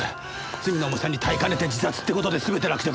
罪の重さに耐えかねて自殺っていう事で全て落着。